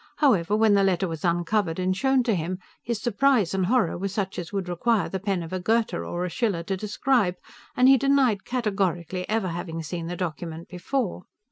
However, when the letter was uncovered and shown to him, his surprise and horror were such as would require the pen of a Goethe or a Schiller to describe, and he denied categorically ever having seen the document before.